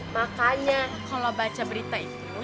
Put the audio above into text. makanya kalau baca berita itu